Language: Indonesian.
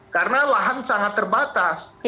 karena lahan sangat terbatas